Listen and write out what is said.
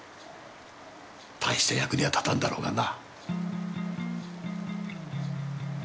大して役には立たんだろうがな。